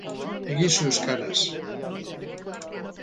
Egizu euskaraz.